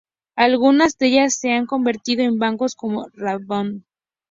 Algunas de ellas se han convertido en bancos como o Rabobank.